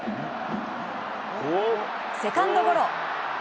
セカンドゴロ。